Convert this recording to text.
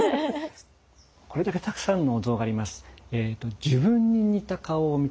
これだけたくさんのお像があります。